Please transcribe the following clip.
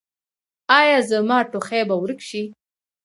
ایا زما ټوخی به ورک شي؟